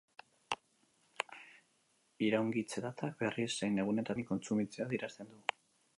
Iraungitze-datak, berriz, zein egunetatik aurrera ez den komeni kontsumitzea adierazten du.